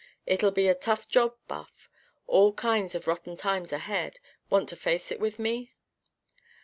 It'll be a tough job, Buff. All kinds of rotten times ahead. Want to face it with me?"